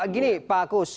gini pak kus